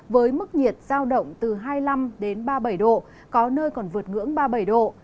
với mức nhiệt giao động từ hai mươi năm đến ba mươi bảy độ có nơi còn vượt ngưỡng ba mươi bảy độ